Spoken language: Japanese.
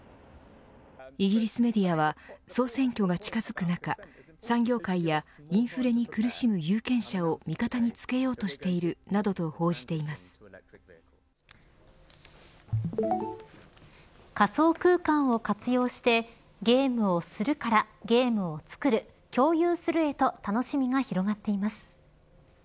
イギリスメディアは総選挙が近づく中、産業界やインフレに苦しむ有権者を味方につけようとしているなどと仮想空間を活用してゲームをするからゲームを作る共有するへと楽しみが広がっています。